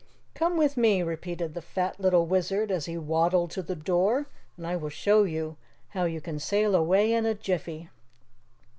"Come with me," repeated the fat little Wizard as he waddled to the door, "and I will show you how you can sail away in a jiffy."